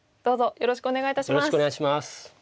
よろしくお願いします。